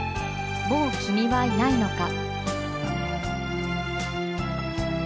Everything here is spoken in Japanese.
「もう君はいないのか」。